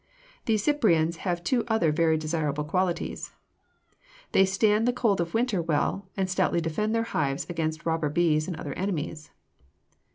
The Cyprians have two other very desirable qualities. They stand the cold of winter well and stoutly defend their hives against robber bees and other enemies.